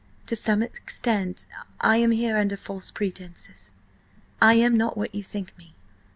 To some extent I am here under false pretences. I am not what you think me."